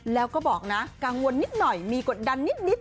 แล้วก็บอกนะกังวลนิดหน่อยมีกดดันนิด